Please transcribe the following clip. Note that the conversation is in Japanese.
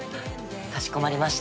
かしこまりました。